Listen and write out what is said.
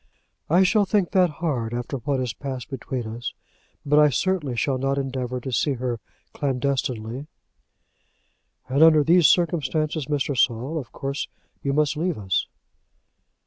"I shall think that hard after what has passed between us; but I certainly shall not endeavour to see her clandestinely." "And under these circumstances, Mr. Saul, of course you must leave us."